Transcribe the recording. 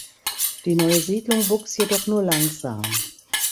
Die neue Siedlung wuchs jedoch nur langsam.